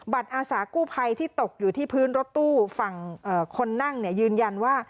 อาสากู้ภัยที่ตกอยู่ที่พื้นรถตู้ฝั่งคนนั่งยืนยันว่า